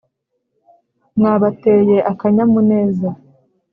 Mwabateye akanyamuneza